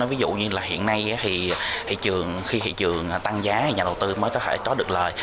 ví dụ như hiện nay khi thị trường tăng giá thì nhà đầu tư mới có thể trói được lời